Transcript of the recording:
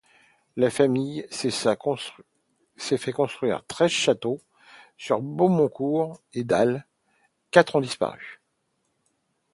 La famille s’est fait construire treize châteaux sur Beaucourt et Dasle, quatre ont disparu.